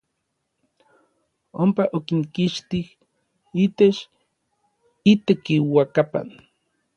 Ompa okinkixtij itech itekiuakapan.